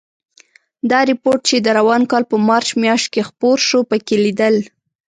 دا رپوټ چې د روان کال په مارچ میاشت کې خپور شو، پکې لیدل